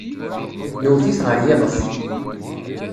Nwet-it ɣer yiɣef.